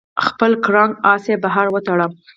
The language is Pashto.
خپل کرنګ آس یې بهر وتاړه.